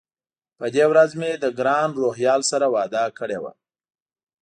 په دې ورځ مې له ګران روهیال سره وعده کړې وه.